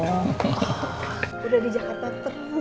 udah di jakarta terus ya